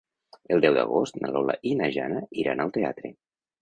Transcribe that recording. El deu d'agost na Lola i na Jana iran al teatre.